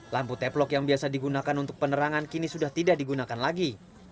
lampu teplock yang biasa digunakan untuk penerangan kini sudah tidak digunakan lagi